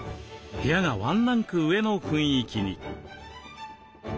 部屋がワンランク上の雰囲気に。